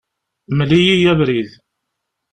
Mel-iyi abrid.